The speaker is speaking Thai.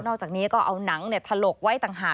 อกจากนี้ก็เอาหนังถลกไว้ต่างหาก